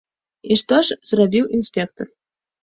І што ж зрабіў інспектар?